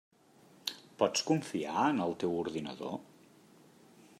Pots confiar en el teu ordinador?